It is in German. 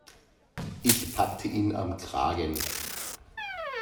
Ich packte ihn am Kragen.